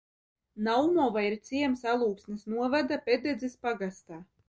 Naumova ir ciems Alūksnes novada Pededzes pagastā.